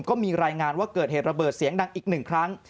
ก็มีรายงานว่าเกิดเหตุระเบิดเสียงดังอีกหนึ่งครั้ง